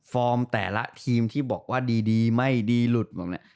ฟอร์มแต่ละทีมที่บอกว่าดีไม่ดีหลุด